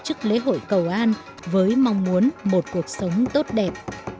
tổ chức lễ hội cầu an với mong muốn một cuộc sống tốt đẹp